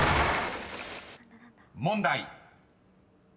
［問題］